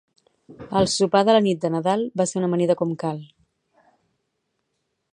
el sopar de la nit de Nadal va ser una amanida com cal